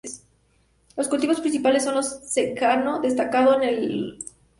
Los cultivos principales son los de secano, destacando el de los avellanos.